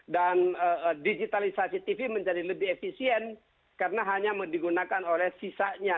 dan digitalisasi tv menjadi lebih efisien karena hanya digunakan oleh sisanya